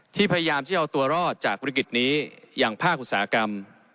พยายามที่เอาตัวรอดจากวิกฤตนี้อย่างภาคอุตสาหกรรม